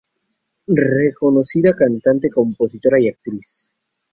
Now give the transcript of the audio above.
Reconocida cantante, compositora y actriz.